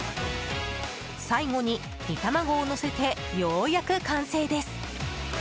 最後に煮卵をのせてようやく完成です。